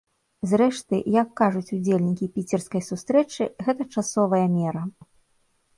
Зрэшты, як кажуць удзельнікі піцерскай сустрэчы, гэта часовая мера.